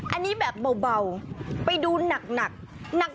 อันนี้แบบเบาไปดูหนัก